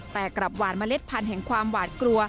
แต่กลับหวานเมล็ดพันธุ์แห่งความหวาดกลัว